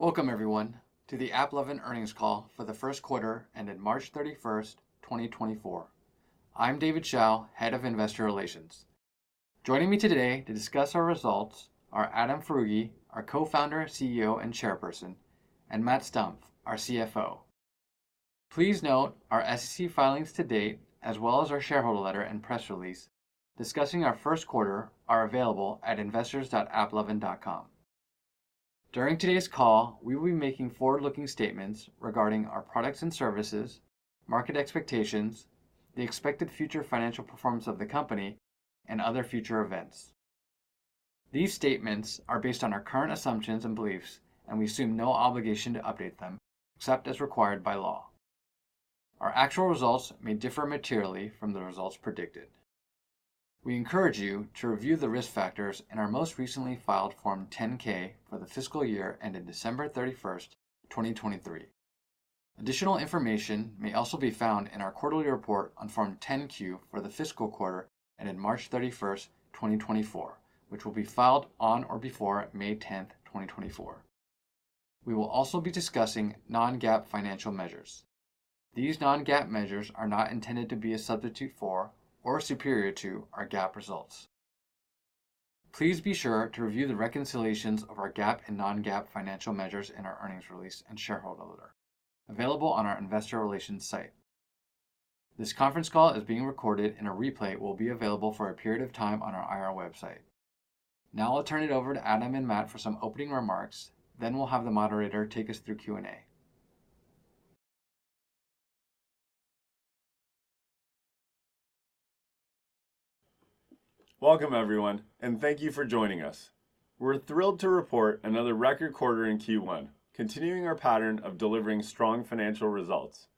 Welcome, everyone, to the AppLovin Earnings Call for the first quarter ended March 31st, 2024. I'm David Hsiao, Head of Investor Relations. Joining me today to discuss our results are Adam Foroughi, our Co-Founder, CEO, and Chairperson, and Matt Stumpf, our CFO. Please note our SEC filings to date, as well as our shareholder letter and press release discussing our first quarter, are available at investors.applovin.com. During today's call, we will be making forward-looking statements regarding our products and services, market expectations, the expected future financial performance of the company, and other future events. These statements are based on our current assumptions and beliefs, and we assume no obligation to update them except as required by law. Our actual results may differ materially from the results predicted. We encourage you to review the risk factors in our most recently filed Form 10-K for the fiscal year ended December 31st, 2023. Additional information may also be found in our quarterly report on Form 10-Q for the fiscal quarter ended March 31st, 2024, which will be filed on or before May 10th, 2024. We will also be discussing non-GAAP financial measures. These non-GAAP measures are not intended to be a substitute for or superior to our GAAP results. Please be sure to review the reconciliations of our GAAP and non-GAAP financial measures in our earnings release and shareholder letter, available on our Investor Relations site. This conference call is being recorded, and a replay will be available for a period of time on our IR website. Now I'll turn it over to Adam and Matt for some opening remarks, then we'll have the moderator take us through Q&A. Welcome, everyone, and thank you for joining us. We're thrilled to report another record quarter in Q1, continuing our pattern of delivering strong financial results.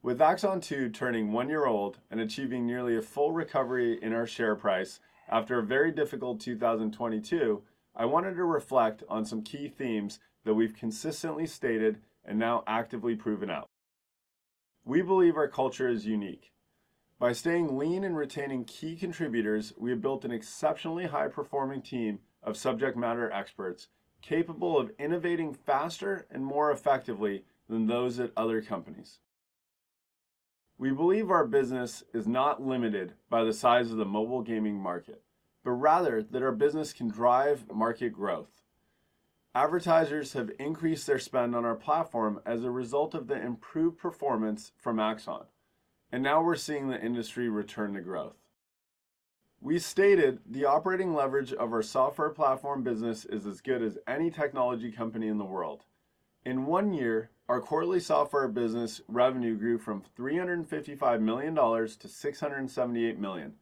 With AXON 2 turning one year old and achieving nearly a full recovery in our share price after a very difficult 2022, I wanted to reflect on some key themes that we've consistently stated and now actively proven out. We believe our culture is unique. By staying lean and retaining key contributors, we have built an exceptionally high-performing team of subject matter experts capable of innovating faster and more effectively than those at other companies. We believe our business is not limited by the size of the mobile gaming market, but rather that our business can drive market growth. Advertisers have increased their spend on our platform as a result of the improved performance from AXON, and now we're seeing the industry return to growth. We stated the operating leverage of our software platform business is as good as any technology company in the world. In one year, our quarterly software business revenue grew from $355 million-$678 million.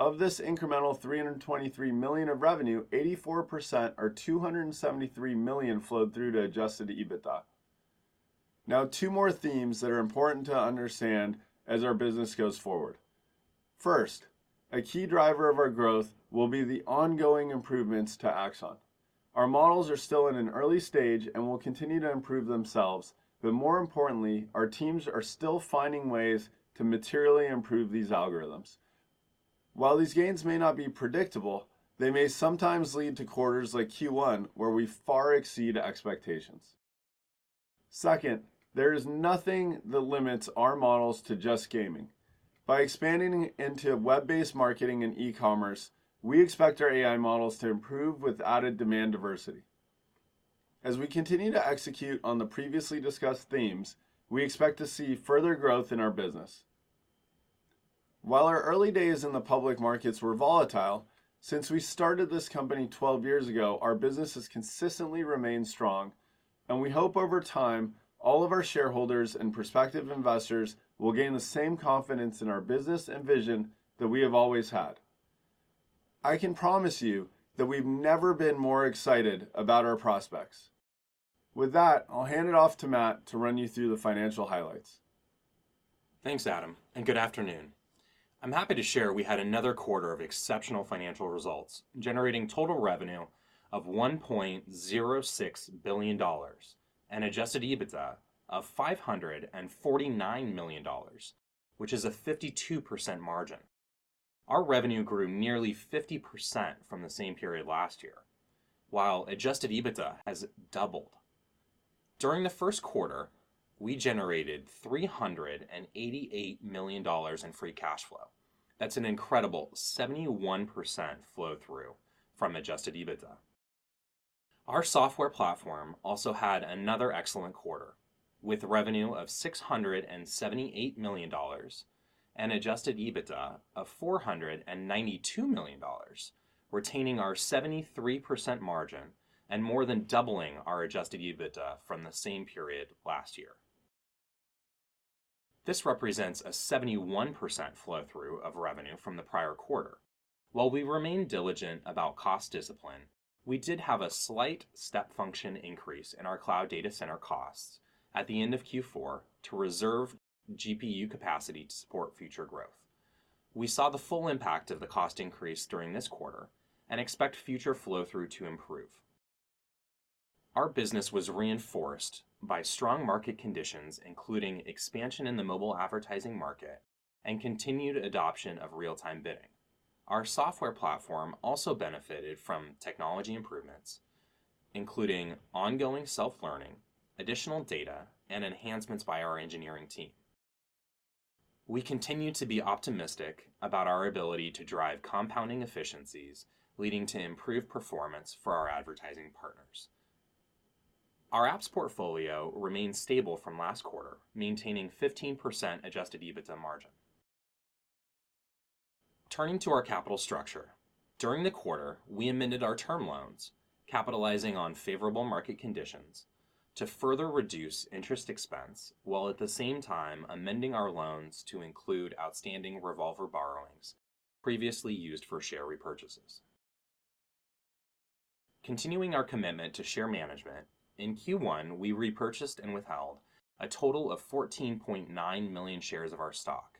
Of this incremental $323 million of revenue, 84% or $273 million flowed through to Adjusted EBITDA. Now, two more themes that are important to understand as our business goes forward. First, a key driver of our growth will be the ongoing improvements to AXON. Our models are still in an early stage and will continue to improve themselves, but more importantly, our teams are still finding ways to materially improve these algorithms. While these gains may not be predictable, they may sometimes lead to quarters like Q1 where we far exceed expectations. Second, there is nothing that limits our models to just gaming. By expanding into web-based marketing and e-commerce, we expect our AI models to improve with added demand diversity. As we continue to execute on the previously discussed themes, we expect to see further growth in our business. While our early days in the public markets were volatile, since we started this company 12 years ago, our business has consistently remained strong, and we hope over time all of our shareholders and prospective investors will gain the same confidence in our business and vision that we have always had. I can promise you that we've never been more excited about our prospects. With that, I'll hand it off to Matt to run you through the financial highlights. Thanks, Adam, and good afternoon. I'm happy to share we had another quarter of exceptional financial results, generating total revenue of $1.06 billion and Adjusted EBITDA of $549 million, which is a 52% margin. Our revenue grew nearly 50% from the same period last year, while Adjusted EBITDA has doubled. During the first quarter, we generated $388 million in free cash flow. That's an incredible 71% flow-through from Adjusted EBITDA. Our software platform also had another excellent quarter, with revenue of $678 million and Adjusted EBITDA of $492 million, retaining our 73% margin and more than doubling our Adjusted EBITDA from the same period last year. This represents a 71% flow-through of revenue from the prior quarter. While we remain diligent about cost discipline, we did have a slight step function increase in our cloud data center costs at the end of Q4 to reserve GPU capacity to support future growth. We saw the full impact of the cost increase during this quarter and expect future flow-through to improve. Our business was reinforced by strong market conditions, including expansion in the mobile advertising market and continued adoption of real-time bidding. Our software platform also benefited from technology improvements, including ongoing self-learning, additional data, and enhancements by our engineering team. We continue to be optimistic about our ability to drive compounding efficiencies, leading to improved performance for our advertising partners. Our apps portfolio remains stable from last quarter, maintaining 15% Adjusted EBITDA margin. Turning to our capital structure. During the quarter, we amended our term loans, capitalizing on favorable market conditions to further reduce interest expense while at the same time amending our loans to include outstanding revolver borrowings previously used for share repurchases. Continuing our commitment to share management, in Q1 we repurchased and withheld a total of 14.9 million shares of our stock.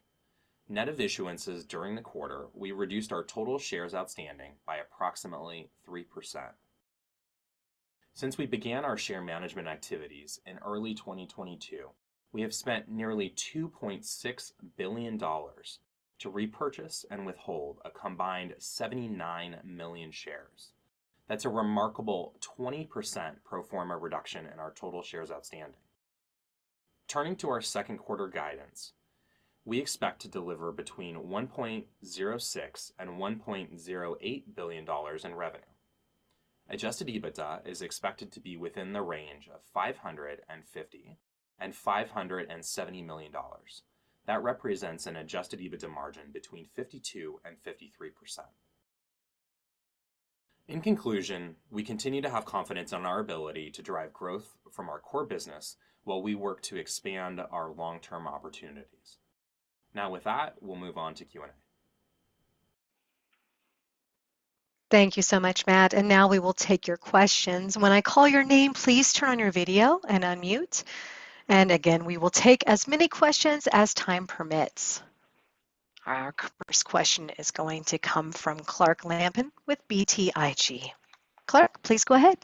Net of issuances during the quarter, we reduced our total shares outstanding by approximately 3%. Since we began our share management activities in early 2022, we have spent nearly $2.6 billion to repurchase and withhold a combined 79 million shares. That's a remarkable 20% pro forma reduction in our total shares outstanding. Turning to our second quarter guidance, we expect to deliver between $1.06 billion-$1.08 billion in revenue. Adjusted EBITDA is expected to be within the range of $550 million-$570 million. That represents an adjusted EBITDA margin between 52%-53%. In conclusion, we continue to have confidence in our ability to drive growth from our core business while we work to expand our long-term opportunities. Now, with that, we'll move on to Q&A. Thank you so much, Matt. And now we will take your questions. When I call your name, please turn on your video and unmute. And again, we will take as many questions as time permits. Our first question is going to come from Clark Lampen with BTIG. Clark, please go ahead.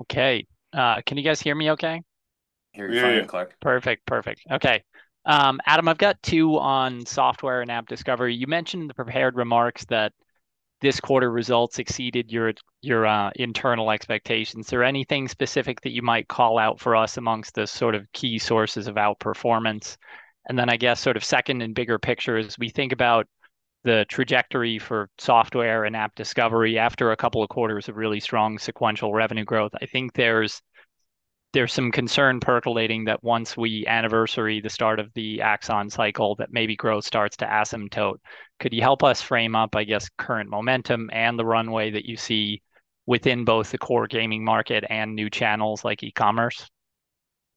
Okay. Can you guys hear me okay? Hear you fine, Clark. Perfect, perfect. Okay. Adam, I've got two on software and AppDiscovery. You mentioned in the prepared remarks that this quarter results exceeded your internal expectations. Is there anything specific that you might call out for us amongst the sort of key sources of outperformance? And then, I guess, sort of second and bigger picture, as we think about the trajectory for software and AppDiscovery after a couple of quarters of really strong sequential revenue growth, I think there's some concern percolating that once we anniversary the start of the AXON cycle, that maybe growth starts to asymptote. Could you help us frame up, I guess, current momentum and the runway that you see within both the core gaming market and new channels like e-commerce?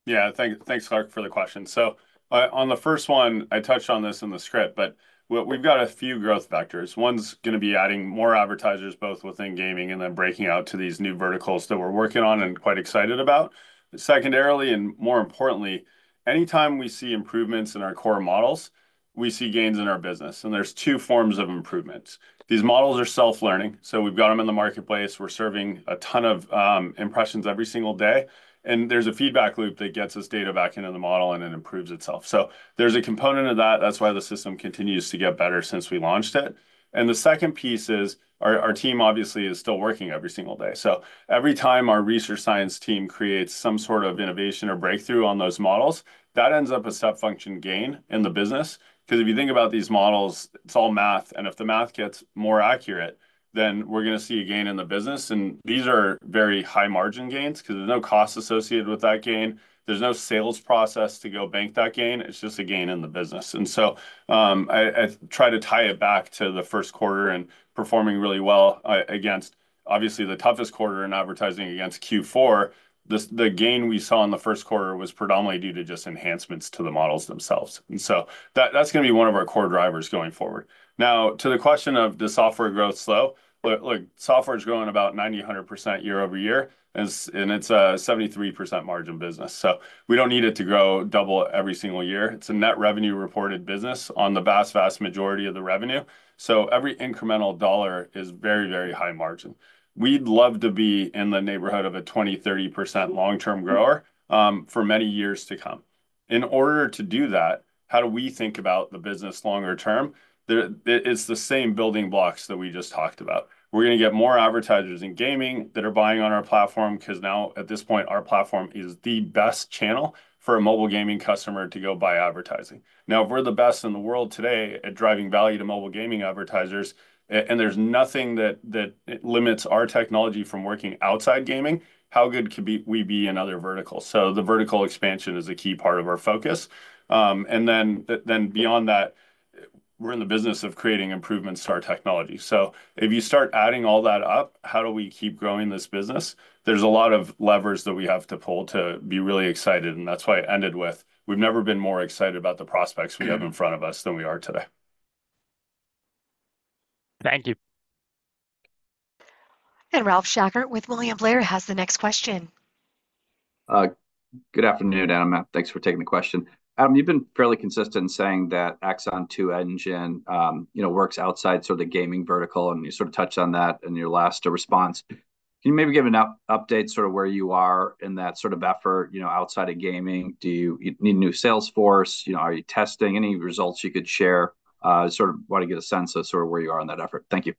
Yeah, thanks, Clark, for the question. So on the first one, I touched on this in the script, but we've got a few growth vectors. One's going to be adding more advertisers, both within gaming and then breaking out to these new verticals that we're working on and quite excited about. Secondarily, and more importantly, anytime we see improvements in our core models, we see gains in our business. And there's two forms of improvements. These models are self-learning, so we've got them in the marketplace. We're serving a ton of impressions every single day. And there's a feedback loop that gets this data back into the model, and it improves itself. So there's a component of that. That's why the system continues to get better since we launched it. And the second piece is our team obviously is still working every single day. So every time our research science team creates some sort of innovation or breakthrough on those models, that ends up a step function gain in the business. Because if you think about these models, it's all math. And if the math gets more accurate, then we're going to see a gain in the business. And these are very high margin gains because there's no cost associated with that gain. There's no sales process to bank that gain. It's just a gain in the business. And so I try to tie it back to the first quarter and performing really well against, obviously, the toughest quarter in advertising against Q4. The gain we saw in the first quarter was predominantly due to just enhancements to the models themselves. And so that's going to be one of our core drivers going forward. Now, to the question of does software grow slow? Look, software is growing about 90%-100% year-over-year, and it's a 73% margin business. So we don't need it to grow double every single year. It's a net revenue reported business on the vast, vast majority of the revenue. So every incremental dollar is very, very high margin. We'd love to be in the neighborhood of a 20%-30% long-term grower for many years to come. In order to do that, how do we think about the business longer term? It's the same building blocks that we just talked about. We're going to get more advertisers in gaming that are buying on our platform because now, at this point, our platform is the best channel for a mobile gaming customer to go buy advertising. Now, if we're the best in the world today at driving value to mobile gaming advertisers, and there's nothing that limits our technology from working outside gaming, how good could we be in other verticals? The vertical expansion is a key part of our focus. Beyond that, we're in the business of creating improvements to our technology. If you start adding all that up, how do we keep growing this business? There's a lot of levers that we have to pull to be really excited. That's why I ended with, "We've never been more excited about the prospects we have in front of us than we are today. Thank you. Ralph Schackart with William Blair has the next question. Good afternoon, Adam, Matt. Thanks for taking the question. Adam, you've been fairly consistent in saying that AXON 2 engine works outside sort of the gaming vertical, and you sort of touched on that in your last response. Can you maybe give an update sort of where you are in that sort of effort outside of gaming? Do you need new sales force? Are you testing? Any results you could share? Sort of want to get a sense of sort of where you are in that sort of effort. Thank you.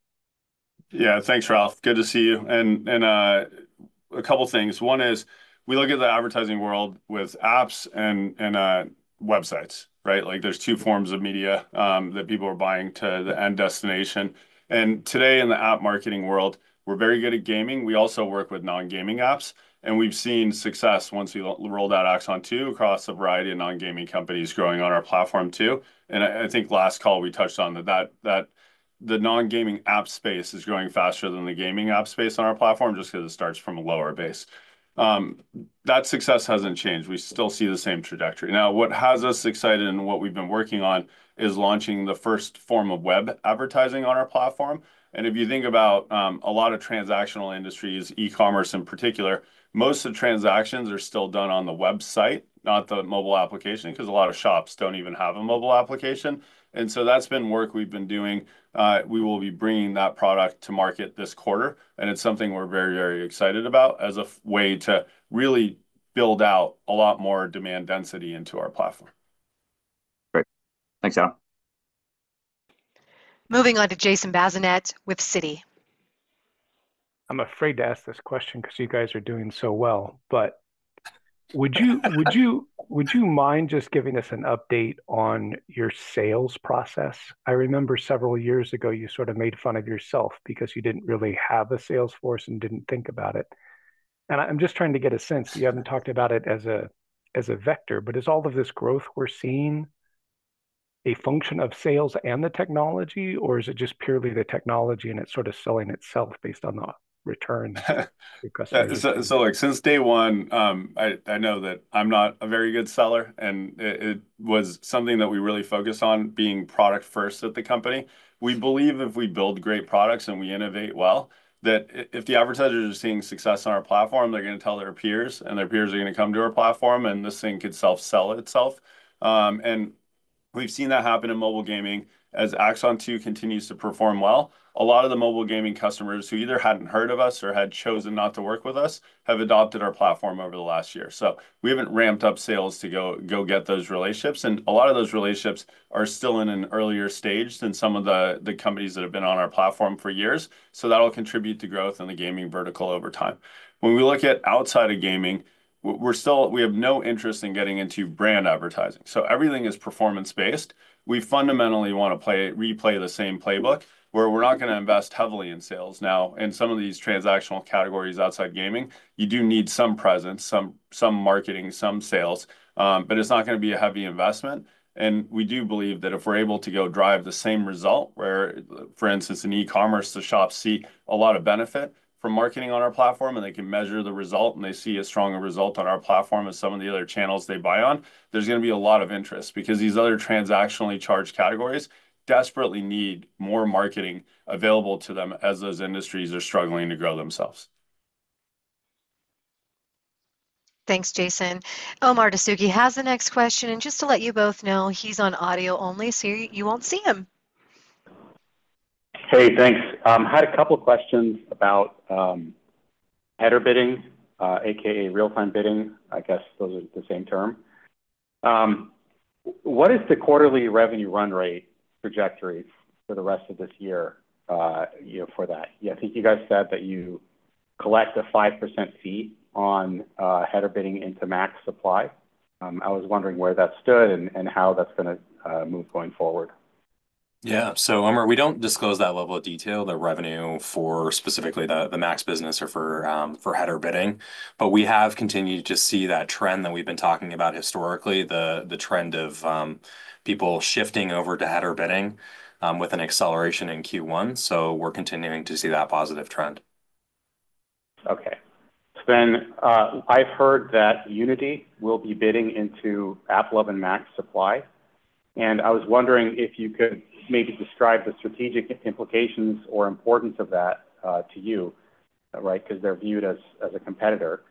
Yeah, thanks, Ralph. Good to see you. And a couple of things. One is we look at the advertising world with apps and websites, right? There's two forms of media that people are buying to the end destination. And today, in the app marketing world, we're very good at gaming. We also work with non-gaming apps. And we've seen success once we rolled out AXON 2 across a variety of non-gaming companies growing on our platform too. And I think last call we touched on that the non-gaming app space is growing faster than the gaming app space on our platform just because it starts from a lower base. That success hasn't changed. We still see the same trajectory. Now, what has us excited and what we've been working on is launching the first form of web advertising on our platform. And if you think about a lot of transactional industries, e-commerce in particular, most of the transactions are still done on the website, not the mobile application because a lot of shops don't even have a mobile application. And so that's been work we've been doing. We will be bringing that product to market this quarter. And it's something we're very, very excited about as a way to really build out a lot more demand density into our platform. Great. Thanks, Adam. Moving on to Jason Bazinet with Citi. I'm afraid to ask this question because you guys are doing so well. But would you mind just giving us an update on your sales process? I remember several years ago, you sort of made fun of yourself because you didn't really have a sales force and didn't think about it. And I'm just trying to get a sense. You haven't talked about it as a vector. But is all of this growth we're seeing a function of sales and the technology, or is it just purely the technology and it's sort of selling itself based on the return? Since day one, I know that I'm not a very good seller. It was something that we really focused on, being product-first at the company. We believe if we build great products and we innovate well, that if the advertisers are seeing success on our platform, they're going to tell their peers, and their peers are going to come to our platform, and this thing could self-sell itself. We've seen that happen in mobile gaming. As AXON 2 continues to perform well, a lot of the mobile gaming customers who either hadn't heard of us or had chosen not to work with us have adopted our platform over the last year. We haven't ramped up sales to go get those relationships. A lot of those relationships are still in an earlier stage than some of the companies that have been on our platform for years. So that'll contribute to growth in the gaming vertical over time. When we look at outside of gaming, we have no interest in getting into brand advertising. So everything is performance-based. We fundamentally want to replay the same playbook where we're not going to invest heavily in sales. Now, in some of these transactional categories outside gaming, you do need some presence, some marketing, some sales. But it's not going to be a heavy investment. We do believe that if we're able to go drive the same result where, for instance, in e-commerce, the shops see a lot of benefit from marketing on our platform, and they can measure the result, and they see a stronger result on our platform as some of the other channels they buy on, there's going to be a lot of interest because these other transactionally charged categories desperately need more marketing available to them as those industries are struggling to grow themselves. Thanks, Jason. Omar Dessouky has the next question. Just to let you both know, he's on audio only, so you won't see him. Hey, thanks. I had a couple of questions about header bidding, aka real-time bidding. I guess those are the same term. What is the quarterly revenue run rate trajectory for the rest of this year for that? I think you guys said that you collect a 5% fee on header bidding into MAX supply. I was wondering where that stood and how that's going to move going forward. Yeah. So Omar, we don't disclose that level of detail, the revenue for specifically the MAX business or for header bidding. But we have continued to see that trend that we've been talking about historically, the trend of people shifting over to header bidding with an acceleration in Q1. So we're continuing to see that positive trend. Okay. So then I've heard that Unity will be bidding into AppLovin and MAX. And I was wondering if you could maybe describe the strategic implications or importance of that to you, right, because they're viewed as a competitor.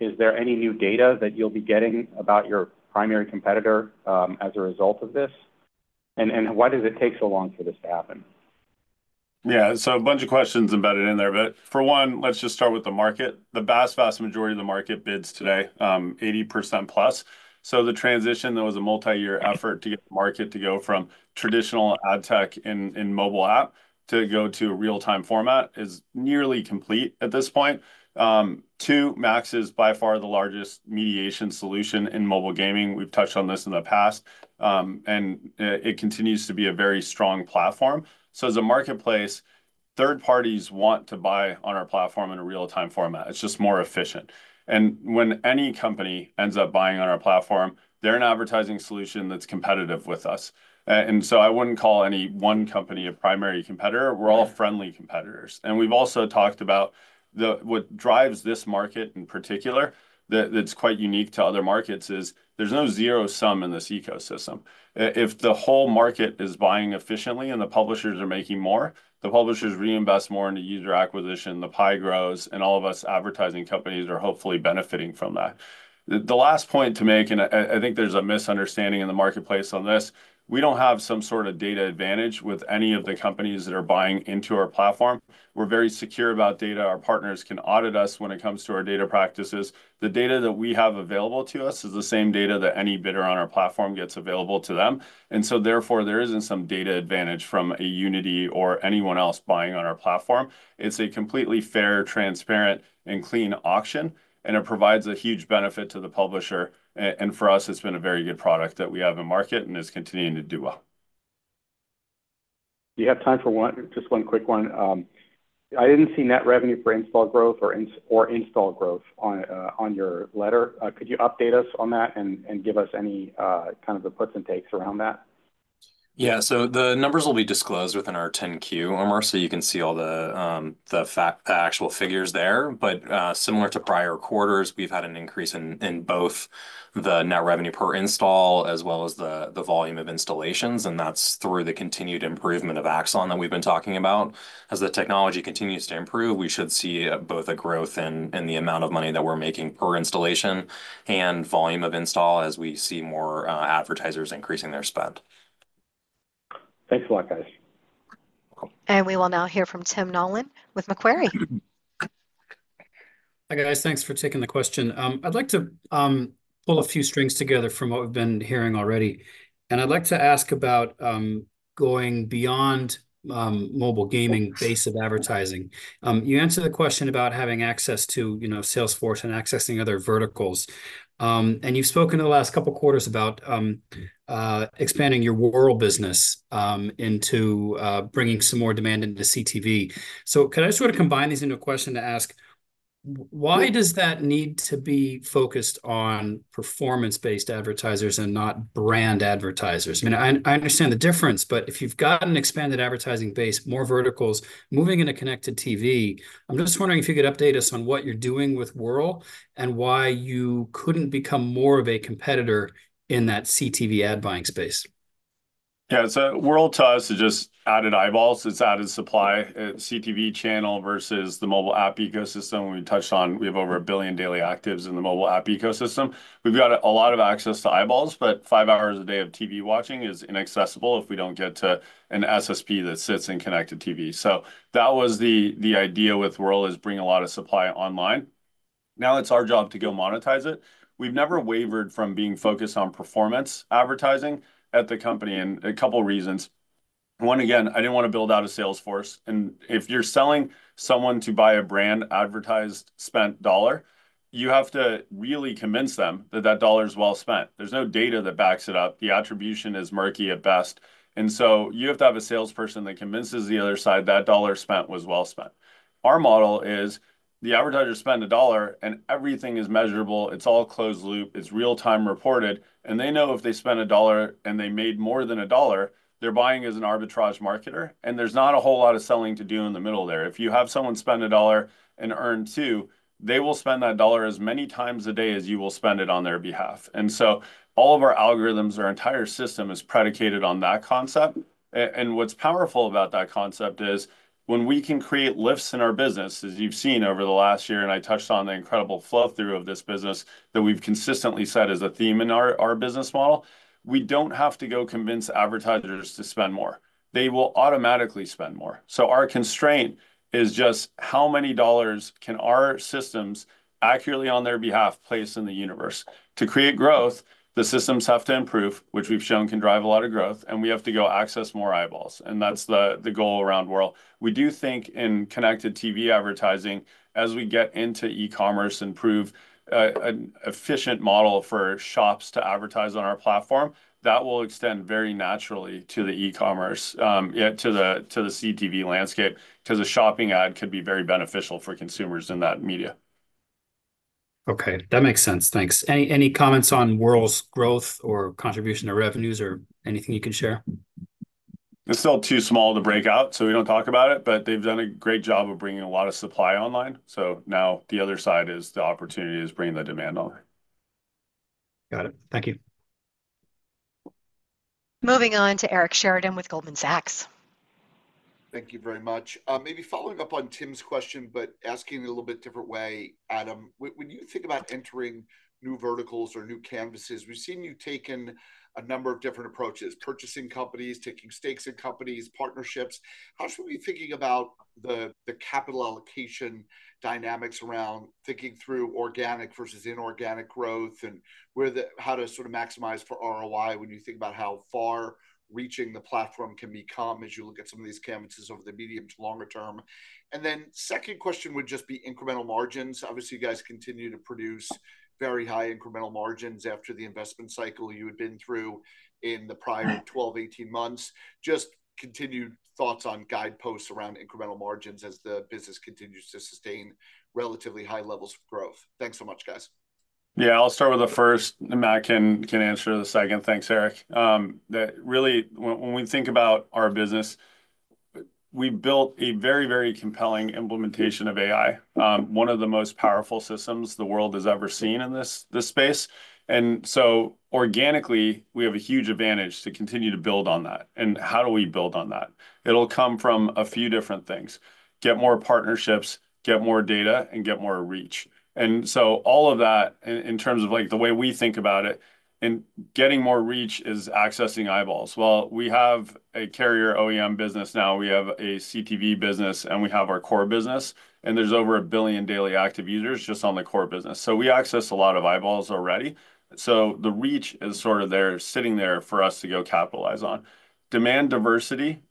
Is there any new data that you'll be getting about your primary competitor as a result of this? And why does it take so long for this to happen? Yeah, so a bunch of questions embedded in there. But for one, let's just start with the market. The vast, vast majority of the market bids today, 80%+. So the transition that was a multi-year effort to get the market to go from traditional ad tech in mobile app to go to a real-time format is nearly complete at this point. Two, MAX is by far the largest mediation solution in mobile gaming. We've touched on this in the past. And it continues to be a very strong platform. So as a marketplace, third parties want to buy on our platform in a real-time format. It's just more efficient. And when any company ends up buying on our platform, they're an advertising solution that's competitive with us. And so I wouldn't call any one company a primary competitor. We're all friendly competitors. And we've also talked about what drives this market in particular, that's quite unique to other markets, is there's no zero-sum in this ecosystem. If the whole market is buying efficiently and the publishers are making more, the publishers reinvest more into user acquisition, the pie grows, and all of us advertising companies are hopefully benefiting from that. The last point to make, and I think there's a misunderstanding in the marketplace on this, we don't have some sort of data advantage with any of the companies that are buying into our platform. We're very secure about data. Our partners can audit us when it comes to our data practices. The data that we have available to us is the same data that any bidder on our platform gets available to them. So therefore, there isn't some data advantage from a Unity or anyone else buying on our platform. It's a completely fair, transparent, and clean auction. It provides a huge benefit to the publisher. For us, it's been a very good product that we have in market and is continuing to do well. Do you have time for just one quick one? I didn't see net revenue per install growth or install growth in your letter. Could you update us on that and give us any kind of the puts and takes around that? Yeah. So the numbers will be disclosed within our 10-Q, Omar, so you can see all the actual figures there. But similar to prior quarters, we've had an increase in both the net revenue per install as well as the volume of installations. And that's through the continued improvement of AXON that we've been talking about. As the technology continues to improve, we should see both a growth in the amount of money that we're making per installation and volume of install as we see more advertisers increasing their spend. Thanks a lot, guys. You're welcome. We will now hear from Tim Nollen with Macquarie. Hi, guys. Thanks for taking the question. I'd like to pull a few strings together from what we've been hearing already. I'd like to ask about going beyond mobile gaming base of advertising. You answered the question about having access to sales force and accessing other verticals. You've spoken in the last couple of quarters about expanding your Wurl business into bringing some more demand into CTV. So can I sort of combine these into a question to ask, why does that need to be focused on performance-based advertisers and not brand advertisers? I mean, I understand the difference, but if you've got an expanded advertising base, more verticals, moving into connected TV, I'm just wondering if you could update us on what you're doing with Wurl and why you couldn't become more of a competitor in that CTV ad buying space. Yeah. So Wurl to us is just added eyeballs. It's added supply at CTV channel versus the mobile app ecosystem. We touched on we have over a billion daily actives in the mobile app ecosystem. We've got a lot of access to eyeballs, but five hours a day of TV watching is inaccessible if we don't get to an SSP that sits in connected TV. So that was the idea with Wurl is bring a lot of supply online. Now it's our job to go monetize it. We've never wavered from being focused on performance advertising at the company and a couple of reasons. One, again, I didn't want to build out a Salesforce. And if you're selling someone to buy a brand-advertised spent dollar, you have to really convince them that that dollar is well spent. There's no data that backs it up. The attribution is murky at best. You have to have a salesperson that convinces the other side that $1 spent was well spent. Our model is the advertiser spent $1, and everything is measurable. It's all closed loop. It's real-time reported. And they know if they spent $1 and they made more than $1, they're buying as an arbitrage marketer. And there's not a whole lot of selling to do in the middle there. If you have someone spend $1 and earn $2, they will spend that $1 as many times a day as you will spend it on their behalf. All of our algorithms, our entire system is predicated on that concept. What's powerful about that concept is when we can create lifts in our business, as you've seen over the last year, and I touched on the incredible flow-through of this business that we've consistently said is a theme in our business model, we don't have to go convince advertisers to spend more. They will automatically spend more. So our constraint is just how many dollars can our systems accurately on their behalf place in the universe. To create growth, the systems have to improve, which we've shown can drive a lot of growth. We have to go access more eyeballs. That's the goal around Wurl. We do think in Connected TV advertising, as we get into e-commerce and prove an efficient model for shops to advertise on our platform, that will extend very naturally to the e-commerce, to the CTV landscape because a shopping ad could be very beneficial for consumers in that media. Okay. That makes sense. Thanks. Any comments on Wurl's growth or contribution to revenues or anything you can share? It's still too small to break out, so we don't talk about it. But they've done a great job of bringing a lot of supply online. So now the other side is the opportunity is bringing the demand online. Got it. Thank you. Moving on to Eric Sheridan with Goldman Sachs. Thank you very much. Maybe following up on Tim's question, but asking it a little bit different way, Adam, when you think about entering new verticals or new canvases, we've seen you taken a number of different approaches, purchasing companies, taking stakes in companies, partnerships. How should we be thinking about the capital allocation dynamics around thinking through organic versus inorganic growth and how to sort of maximize for ROI when you think about how far-reaching the platform can become as you look at some of these canvases over the medium to longer term? And then second question would just be incremental margins. Obviously, you guys continue to produce very high incremental margins after the investment cycle you had been through in the prior 12, 18 months. Just continued thoughts on guideposts around incremental margins as the business continues to sustain relatively high levels of growth. Thanks so much, guys. Yeah. I'll start with the first. Matt can answer the second. Thanks, Eric. Really, when we think about our business, we built a very, very compelling implementation of AI, one of the most powerful systems the world has ever seen in this space. And so organically, we have a huge advantage to continue to build on that. And how do we build on that? It'll come from a few different things: get more partnerships, get more data, and get more reach. And so all of that, in terms of the way we think about it, and getting more reach is accessing eyeballs. Well, we have a carrier OEM business now. We have a CTV business, and we have our core business. And there's over one billion daily active users just on the core business. So we access a lot of eyeballs already. So the reach is sort of sitting there for us to go capitalize on. Demand diversity,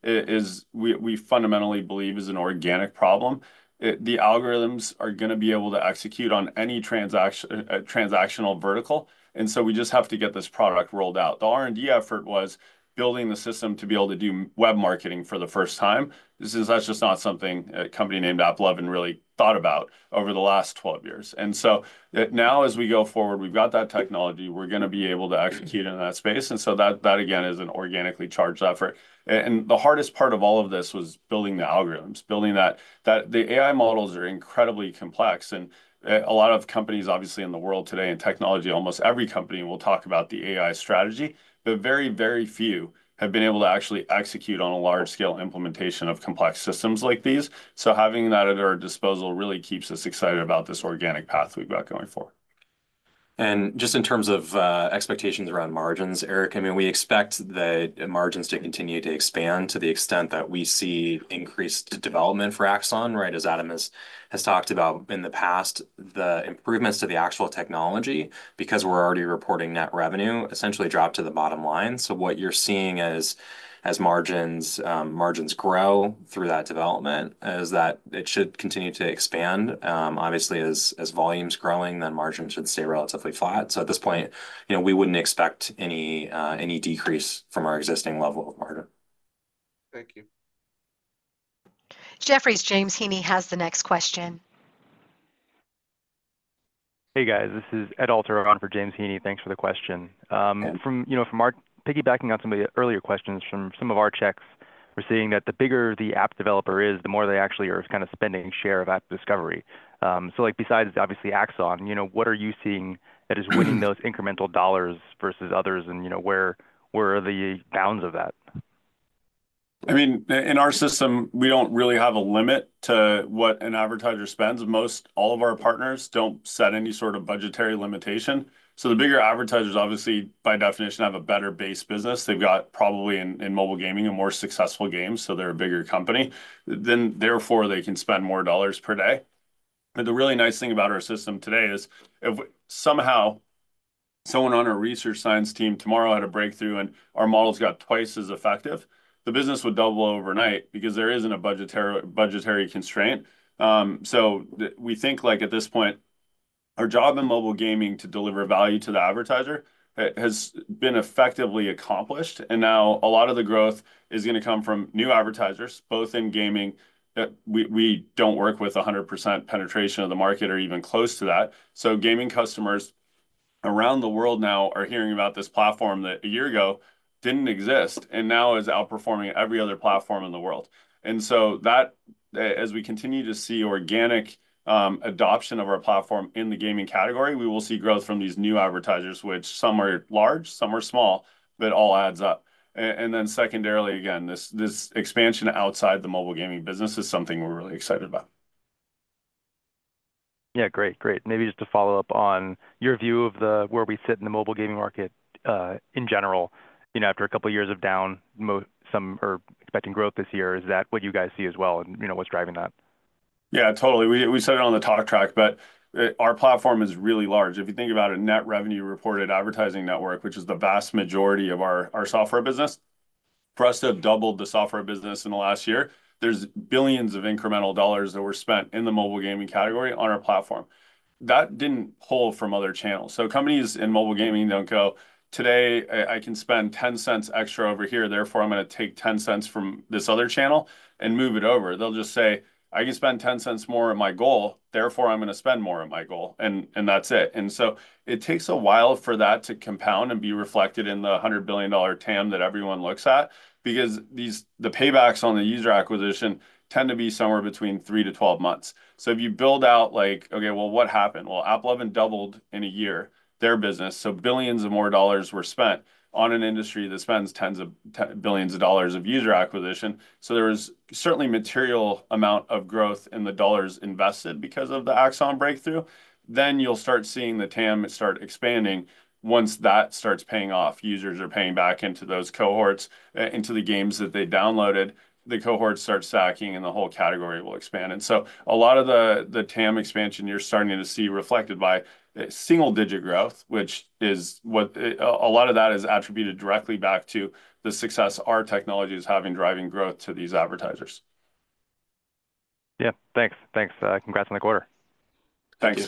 we fundamentally believe, is an organic problem. The algorithms are going to be able to execute on any transactional vertical. And so we just have to get this product rolled out. The R&D effort was building the system to be able to do web marketing for the first time. That's just not something a company named AppLovin, and really thought about over the last 12 years. And so now, as we go forward, we've got that technology. We're going to be able to execute in that space. And so that, again, is an organically charged effort. And the hardest part of all of this was building the algorithms, building that. The AI models are incredibly complex. A lot of companies, obviously, in the world today and technology, almost every company will talk about the AI strategy. But very, very few have been able to actually execute on a large-scale implementation of complex systems like these. So having that at our disposal really keeps us excited about this organic path we've got going forward. And just in terms of expectations around margins, Eric, I mean, we expect the margins to continue to expand to the extent that we see increased development for AXON, right, as Adam has talked about in the past, the improvements to the actual technology because we're already reporting net revenue essentially dropped to the bottom line. So what you're seeing as margins grow through that development is that it should continue to expand. Obviously, as volume's growing, then margins should stay relatively flat. So at this point, we wouldn't expect any decrease from our existing level of margin. Thank you. Jefferies, James Heaney has the next question. Hey, guys. This is Ed Alter on for James Heaney. Thanks for the question. From piggybacking on some of the earlier questions from some of our checks, we're seeing that the bigger the app developer is, the more they actually are kind of spending share of app discovery. So besides, obviously, AXON, what are you seeing that is winning those incremental dollars versus others, and where are the bounds of that? I mean, in our system, we don't really have a limit to what an advertiser spends. All of our partners don't set any sort of budgetary limitation. So the bigger advertisers, obviously, by definition, have a better base business. They've got probably, in mobile gaming, a more successful game. So they're a bigger company. Then, therefore, they can spend more dollars per day. But the really nice thing about our system today is if somehow someone on our research science team tomorrow had a breakthrough and our model's got twice as effective, the business would double overnight because there isn't a budgetary constraint. So we think at this point, our job in mobile gaming to deliver value to the advertiser has been effectively accomplished. And now, a lot of the growth is going to come from new advertisers, both in gaming. We don't work with 100% penetration of the market or even close to that. So gaming customers around the world now are hearing about this platform that a year ago didn't exist and now is outperforming every other platform in the world. And so as we continue to see organic adoption of our platform in the gaming category, we will see growth from these new advertisers, which some are large, some are small, but it all adds up. And then secondarily, again, this expansion outside the mobile gaming business is something we're really excited about. Yeah. Great. Great. Maybe just to follow up on your view of where we sit in the mobile gaming market in general, after a couple of years of down or expecting growth this year, is that what you guys see as well and what's driving that? Yeah. Totally. We said it on the talk track, but our platform is really large. If you think about a net revenue reported advertising network, which is the vast majority of our software business, for us to have doubled the software business in the last year, there's billions of incremental dollars that were spent in the mobile gaming category on our platform. That didn't pull from other channels. So companies in mobile gaming don't go, "Today, I can spend $0.10 extra over here. Therefore, I'm going to take $0.10 from this other channel and move it over." They'll just say, "I can spend $0.10 more at my goal. Therefore, I'm going to spend more at my goal." And that's it. And so it takes a while for that to compound and be reflected in the $100 billion TAM that everyone looks at because the paybacks on the user acquisition tend to be somewhere between three month-12 months. So if you build out like, "Okay. Well, what happened?" Well, AppLovin doubled in a year, their business. So billions of more dollars were spent on an industry that spends tens of billions of dollars of user acquisition. So there was certainly a material amount of growth in the dollars invested because of the AXON breakthrough. Then you'll start seeing the TAM start expanding. Once that starts paying off, users are paying back into those cohorts, into the games that they downloaded. The cohorts start stacking, and the whole category will expand. And so a lot of the TAM expansion, you're starting to see reflected by single-digit growth, which is what a lot of that is attributed directly back to the success our technology is having driving growth to these advertisers. Yeah. Thanks. Thanks. Congrats on the quarter. Thank you.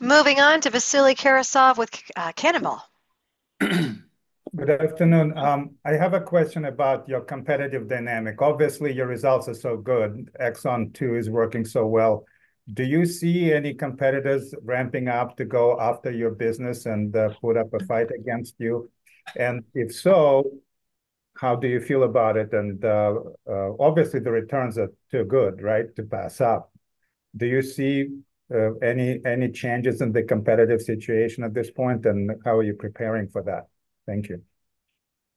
Moving on to Vasily Karasyov with Cannonball. Good afternoon. I have a question about your competitive dynamic. Obviously, your results are so good. AXON 2 is working so well. Do you see any competitors ramping up to go after your business and put up a fight against you? And if so, how do you feel about it? And obviously, the returns are too good, right, to pass up. Do you see any changes in the competitive situation at this point, and how are you preparing for that? Thank you.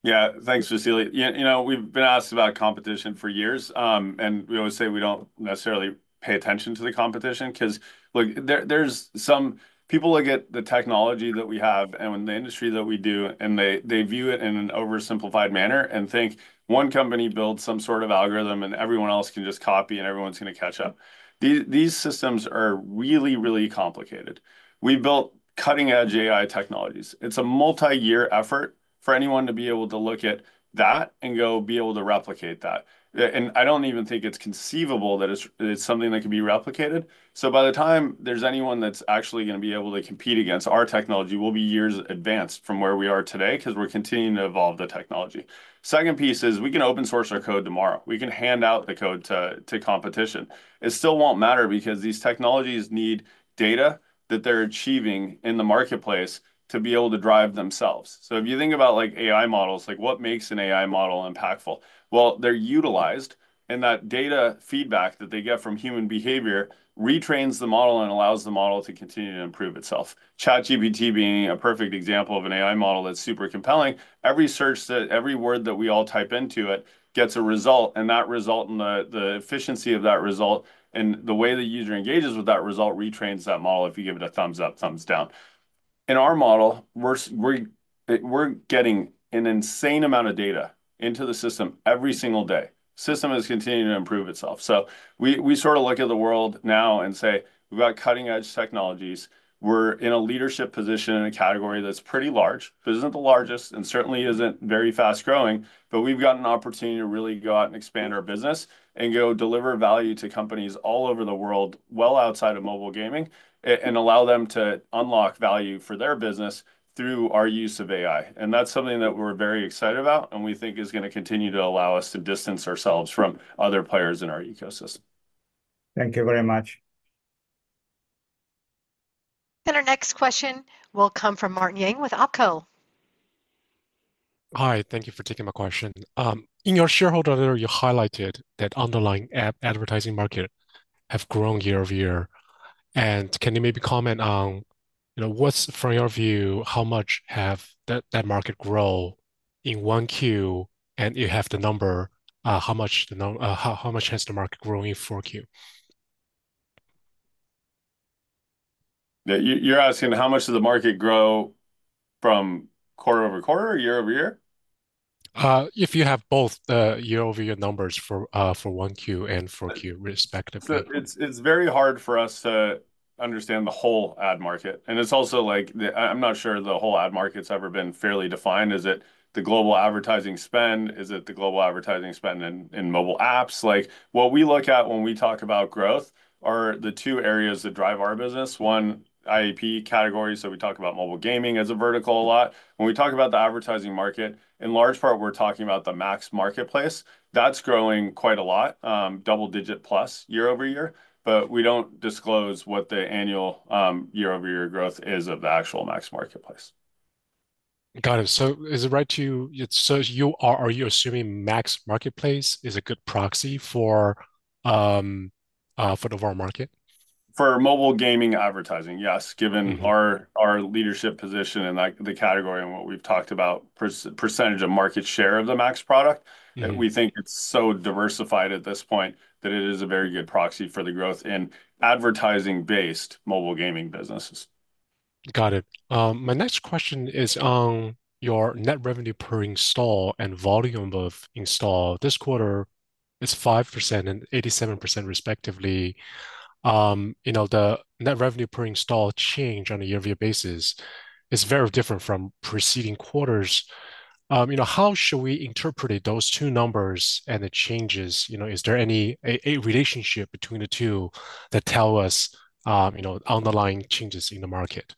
Yeah. Thanks, Vasily. We've been asked about competition for years. We always say we don't necessarily pay attention to the competition because, look, there's some people look at the technology that we have and the industry that we do, and they view it in an oversimplified manner and think one company builds some sort of algorithm, and everyone else can just copy, and everyone's going to catch up. These systems are really, really complicated. We built cutting-edge AI technologies. It's a multi-year effort for anyone to be able to look at that and go be able to replicate that. I don't even think it's conceivable that it's something that can be replicated. By the time there's anyone that's actually going to be able to compete against our technology, we'll be years advanced from where we are today because we're continuing to evolve the technology. Second piece is we can open-source our code tomorrow. We can hand out the code to competition. It still won't matter because these technologies need data that they're achieving in the marketplace to be able to drive themselves. So if you think about AI models, what makes an AI model impactful? Well, they're utilized, and that data feedback that they get from human behavior retrains the model and allows the model to continue to improve itself. ChatGPT being a perfect example of an AI model that's super compelling. Every search that every word that we all type into it gets a result. And that result and the efficiency of that result and the way the user engages with that result retrains that model if you give it a thumbs up, thumbs down. In our model, we're getting an insane amount of data into the system every single day. The system is continuing to improve itself. So we sort of look at the world now and say, "We've got cutting-edge technologies. We're in a leadership position in a category that's pretty large. It isn't the largest and certainly isn't very fast-growing. But we've got an opportunity to really go out and expand our business and go deliver value to companies all over the world well outside of mobile gaming and allow them to unlock value for their business through our use of AI." And that's something that we're very excited about, and we think is going to continue to allow us to distance ourselves from other players in our ecosystem. Thank you very much. Our next question will come from Martin Yang with OpCo. Hi. Thank you for taking my question. In your shareholder letter, you highlighted that underlying advertising market has grown year-over-year. And can you maybe comment on what's, from your view, how much has that market grown in 1Q, and you have the number, how much has the market grown in 4Q? Yeah. You're asking how much does the market grow from quarter-over-quarter or year-over-year? If you have both the year-over-year numbers for 1Q and 4Q, respectively. So it's very hard for us to understand the whole ad market. And it's also like I'm not sure the whole ad market's ever been fairly defined. Is it the global advertising spend? Is it the global advertising spend in mobile apps? What we look at when we talk about growth are the two areas that drive our business. One, IAP category. So we talk about mobile gaming as a vertical a lot. When we talk about the advertising market, in large part, we're talking about the MAX marketplace. That's growing quite a lot, double-digit+ year-over-year. But we don't disclose what the annual year-over-year growth is of the actual MAX marketplace. Got it. So, is it right that you are assuming MAX marketplace is a good proxy for the overall market? For mobile gaming advertising, yes. Given our leadership position in the category and what we've talked about, percentage of market share of the MAX product, we think it's so diversified at this point that it is a very good proxy for the growth in advertising-based mobile gaming businesses. Got it. My next question is on your net revenue per install and volume of install. This quarter, it's 5% and 87%, respectively. The net revenue per install change on a year-over-year basis is very different from preceding quarters. How should we interpret those two numbers and the changes? Is there any relationship between the two that tell us underlying changes in the market?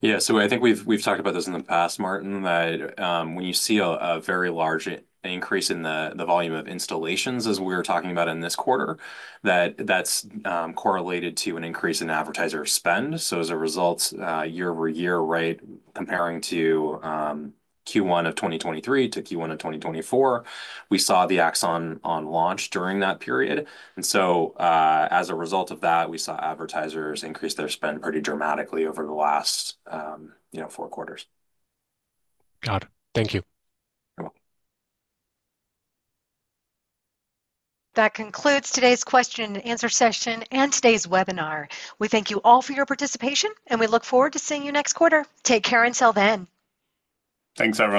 Yeah. So I think we've talked about this in the past, Martin, that when you see a very large increase in the volume of installations, as we were talking about in this quarter, that that's correlated to an increase in advertiser spend. So as a result, year-over-year, right, comparing to Q1 of 2023 to Q1 of 2024, we saw the AXON on launch during that period. And so as a result of that, we saw advertisers increase their spend pretty dramatically over the last four quarters. Got it. Thank you. You're welcome. That concludes today's question and answer session and today's webinar. We thank you all for your participation, and we look forward to seeing you next quarter. Take care until then. Thanks.